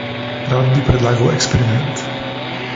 Rad bi predlagal eksperiment.